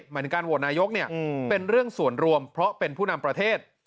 หมายถึงการโหวตนายกเป็นเรื่องส่วนรวมเพราะเป็นผู้นำประเทศ